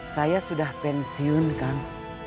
saya sudah pensiun kang